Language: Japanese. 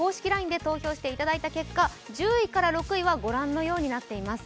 ＬＩＮＥで投票していただいた結果、１０位から６位はご覧のようになっています。